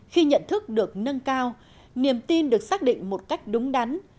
khi nhận thức được nâng cao niềm tin được xác định một cách đúng đắn